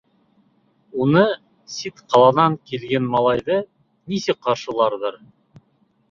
Уны, сит ҡаланан килгән малайҙы, нисек ҡаршыларҙар?